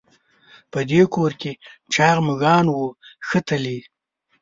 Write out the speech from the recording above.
په دې کور کې چاغ مږان وو ښه تلي.